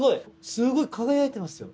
すごい輝いてますよ。